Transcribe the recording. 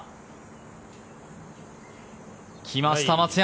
きました、松山！